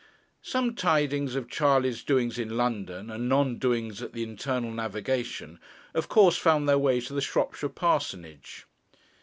Some tidings of Charley's doings in London, and non doings at the Internal Navigation, of course found their way to the Shropshire parsonage.